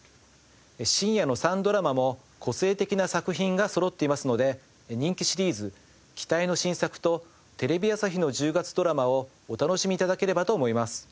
深夜の３ドラマも個性的な作品がそろっていますので人気シリーズ期待の新作とテレビ朝日の１０月ドラマをお楽しみ頂ければと思います。